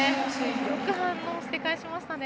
よく反応して、返しましたね。